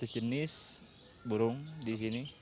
tiga ratus jenis burung di sini